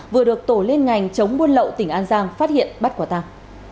vừa được tổ lên ngành chống buôn lậu tỉnh an giang phát hiện bắt quả tạc